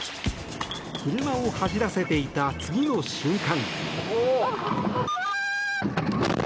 車を走らせていた次の瞬間。